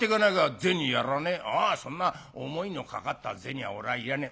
ああそんな思いのかかった銭俺はいらねえ。